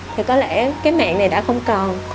thì có lẽ cái mẹ này đã không còn